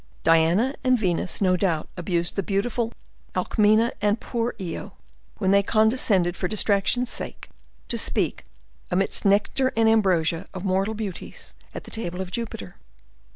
Diana and Venus, no doubt, abused the beautiful Alcmena and poor Io, when they condescended for distraction's sake, to speak, amidst nectar and ambrosia, of mortal beauties, at the table of Jupiter.